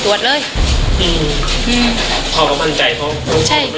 สวัสดีครับทุกคน